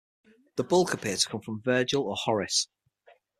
The bulk appear to come from Vergil or Horace.